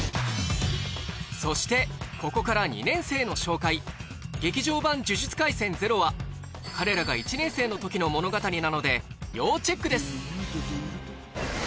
そしてここから２年生の紹介「劇場版呪術廻戦０」は彼らが１年生の時の物語なので要チェックです！